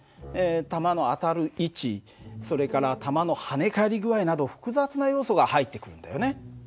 弾の当たる位置それから弾の跳ね返り具合など複雑な要素が入ってくるんだよね。